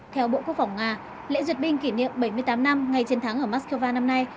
theo bộ quốc phòng nga lễ duyệt binh kỷ niệm bảy mươi tám năm ngày chiến thắng ở moscow năm nay